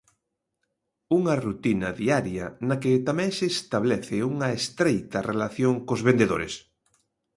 Unha rutina diaria na que tamén se establece unha estreita relación cos vendedores.